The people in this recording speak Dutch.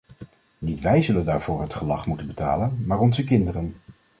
Niet wij zullen daarvoor het gelag moeten betalen, maar onze kinderen.